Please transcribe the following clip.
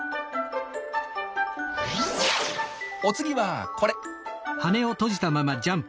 お次はこれ！